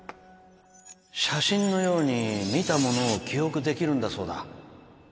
写真のように見たものを記憶できるんだそうだ